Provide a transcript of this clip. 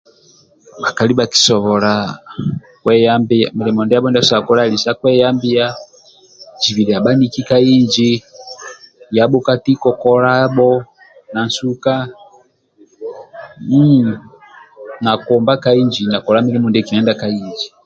Bhakali bhakisobola kweyambia mulimo ndiabhola kolai ali sa kweyambia zibililiai bhaniki ka inji yabho ka tiko kolabho na nsuka mmm na komba ka inji na kola mulimo ndie tolo ka inji